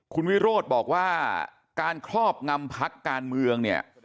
คุณวิโรธบอกว่าการครอบงำพักการเมืองเนี่ย